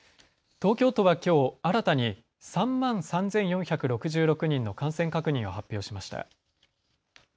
東京都はきょう新たに３万３４６６人の感染確認を発表しました。